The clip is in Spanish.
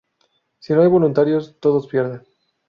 Si no hay voluntarios, todos pierden.